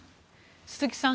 鈴木さん